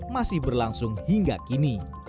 masih berlangsung hingga kini